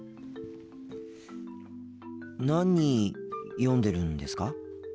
何読んでるんですか？